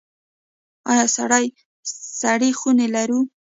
آیا سړې خونې لرو؟